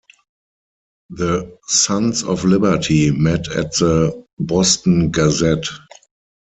The Sons of Liberty met at the Boston Gazette.